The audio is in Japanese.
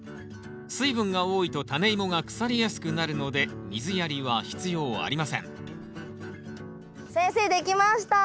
水分が多いとタネイモが腐りやすくなるので水やりは必要ありません先生出来ました！